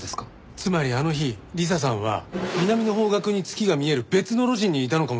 つまりあの日理彩さんは南の方角に月が見える別の路地にいたのかもしれない。